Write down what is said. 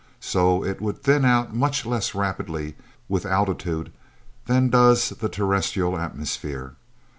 So it would thin out much less rapidly with altitude than does the terrestrial atmosphere.